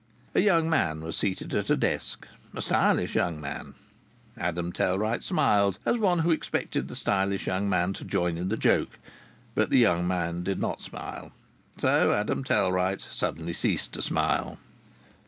A young man was seated at a desk, a stylish young man. Adam Tellwright smiled, as one who expected the stylish young man to join in the joke. But the young man did not smile. So Adam Tellwright suddenly ceased to smile.